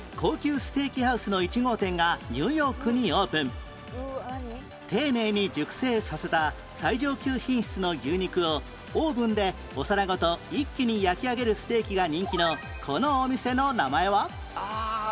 １９年前丁寧に熟成させた最上級品質の牛肉をオーブンでお皿ごと一気に焼き上げるステーキが人気のこのお店の名前は？